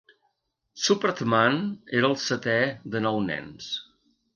Supratman era el setè de nou nens.